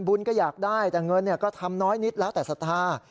ก็อยากได้แต่เงินก็ทำน้อยนิดแล้วแต่ศรัทธา